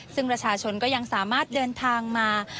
ซึ่งประชาชนก็ยังสามารถเดินทางมา